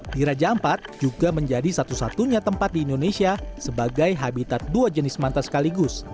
di raja ampat juga menjadi satu satunya tempat di indonesia sebagai habitat dua jenis manta sekaligus